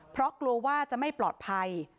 เพราะกลัวว่าจะไม่ปลอดภัย